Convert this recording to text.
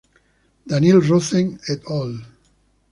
Daniel Rozen et al.